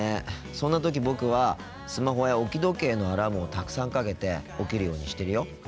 そんな時僕はスマホや置き時計のアラームをたくさんかけて起きるようにしてるよ。